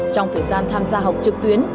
trong thời gian tham gia học trực tuyến